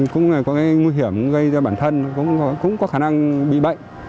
cũng là có cái nguy hiểm gây ra bản thân cũng có khả năng bị bệnh